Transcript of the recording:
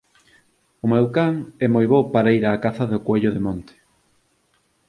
O meu can é moi bo para ir á caza do coello de monte.